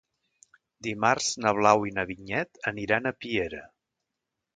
Dimarts na Blau i na Vinyet aniran a Piera.